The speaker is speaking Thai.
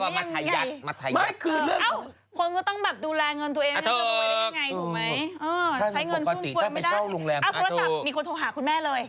โทรศัพท์มีคนโทรหาคุณแม่เลย